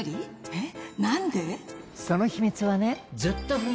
えっ⁉